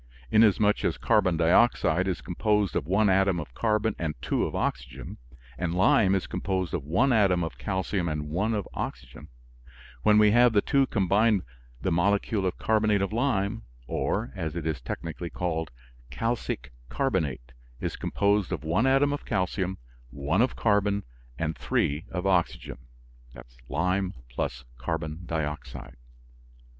Inasmuch as carbon dioxide is composed of one atom of carbon and two of oxygen, and lime is composed of one atom of calcium and one of oxygen, when we have the two combined the molecule of carbonate of lime, or, as it is technically called, calcic carbonate, is composed of one atom of calcium, one of carbon and three of oxygen, (lime plus carbon dioxide).